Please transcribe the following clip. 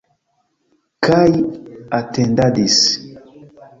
Kaj atendadis.